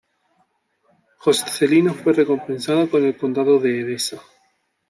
Joscelino fue recompensado con el Condado de Edesa.